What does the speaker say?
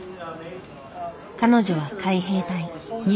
彼女は海兵隊。